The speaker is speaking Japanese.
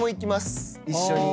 一緒に。